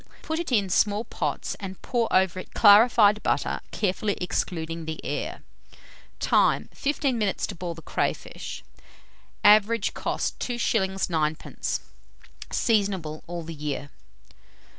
Put it in small pots, and pour over it clarified butter, carefully excluding the air. Time. 15 minutes to boil the crayfish. Average cost, 2s. 9d. Seasonable all the year.